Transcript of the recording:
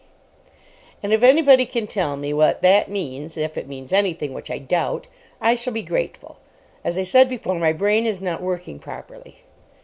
And if anybody can tell me what that means (if it means anything—which I doubt) I shall be grateful. As I said before, my brain is not working properly.